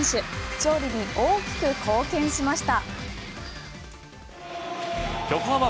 勝利に大きく貢献しました。